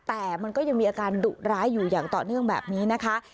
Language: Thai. แต่มันก็ยังมีอาการดุร้ายอยู่อย่างต่อเนื่องแบบนี้นะคะ